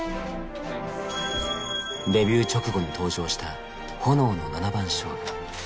デビュー直後に登場した炎の七番勝負。